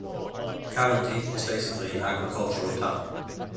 Cavinti is basically an agricultural town.